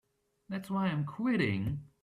That's why I'm quitting.